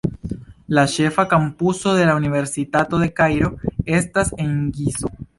La ĉefa kampuso de la Universitato de Kairo estas en Gizo.